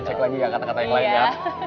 cek lagi gak kata kata yang lain ya